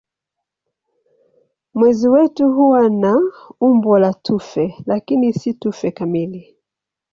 Mwezi wetu huwa na umbo la tufe lakini si tufe kamili.